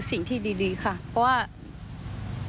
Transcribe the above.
ยึดมั่นในหลักธรรมที่พระครูบาบุญชุมท่านได้สอนเอาไว้ค่ะ